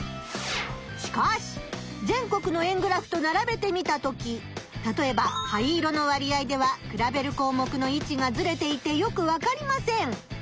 しかし全国の円グラフとならべてみたときたとえば灰色の割合では比べるこうもくのいちがずれていてよくわかりません。